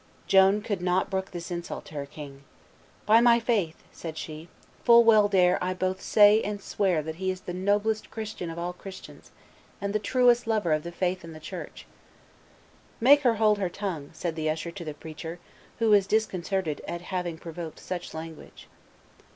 Joan could not brook this insult to her king. "By my faith," said she, "full well dare I both say and swear that he is the noblest Christian of all Christians, and the truest lover of the faith and the Church." "Make her hold her tongue," said the usher to the preacher, who was disconcerted at having provoked such language.